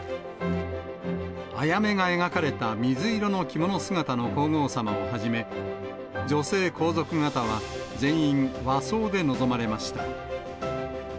あやめが描かれた水色の着物姿の皇后さまをはじめ、女性皇族方は全員和装で臨まれました。